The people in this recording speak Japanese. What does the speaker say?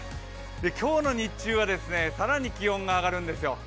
今日の日中は更に気温が上がるんですよ。